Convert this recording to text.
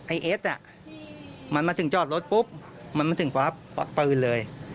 เอสอ่ะมันมาถึงจอดรถปุ๊บมันมาถึงปั๊บปืนเลย